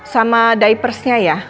sama diapersnya ya